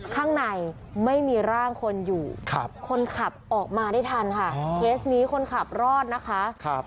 ข้างในไม่มีร่างคนอยู่คนขับออกมาได้ทันค่ะเคสนี้คนขับรอดนะคะ